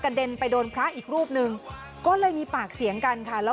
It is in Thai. เด็นไปโดนพระอีกรูปหนึ่งก็เลยมีปากเสียงกันค่ะแล้ว